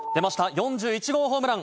４１号ホームラン！！